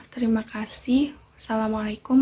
terima kasih assalamualaikum